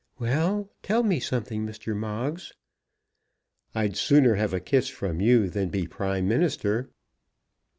"Well; tell me something, Mr. Moggs." "I'd sooner have a kiss from you than be Prime Minister."